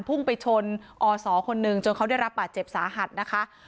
พึ่งไปชนออสอคนนึงจนเขาได้รับปะเจ็บสาหัตต์นะคะ